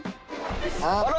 あら。